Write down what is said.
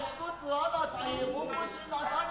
あなたへお越しなされ